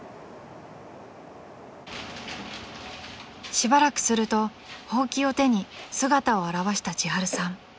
［しばらくするとほうきを手に姿を現したちはるさん］